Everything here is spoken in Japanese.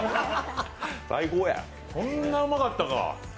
こんなうまかったかあ。